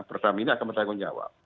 pertamina akan bertanggung jawab